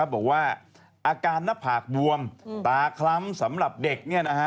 บอกว่าอาการหน้าผากบวมตาคล้ำสำหรับเด็ก